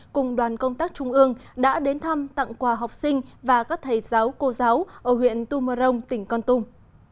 cùng đoàn công tác trung ương đã đến thăm tặng quà học sinh và các thầy giáo cô giáo ở huyện tumorong tỉnh con tung